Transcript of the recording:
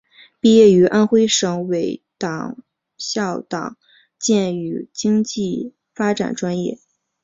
毕业于安徽省委党校党建与经济发展专业。